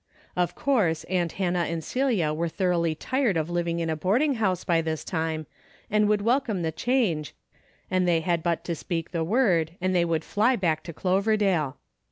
Of course aunt Hannah and Celia were thoroughly tired of living in a boarding house by this time, and would wel come the change, and they had but to speak the word and they would fly back to Clover dale.